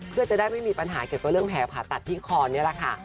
เพื่อจะได้ไม่มีปัญหาเกี่ยวกับเรื่องแผลผ่าตัดที่คอนี่แหละค่ะ